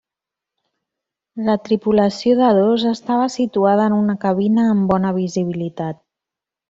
La tripulació de dos estava situada en una cabina amb bona visibilitat.